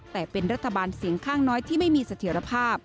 แต่เป็นรัฐบาลเสียงข้างน้อยที่ไม่มีเสถียรภาพ